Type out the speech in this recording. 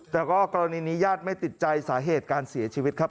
แต่ก็กรณีนี้ญาติไม่ติดใจสาเหตุการเสียชีวิตครับ